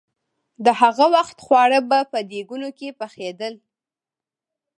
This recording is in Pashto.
د هغه وخت خواړه به په دېګونو کې پخېدل.